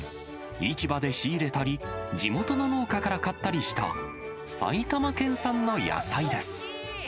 市場で仕入れたり、地元の農家から買ったりした、埼玉県産の野菜です。